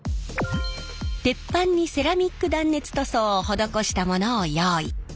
鉄板にセラミック断熱塗装を施したものを用意。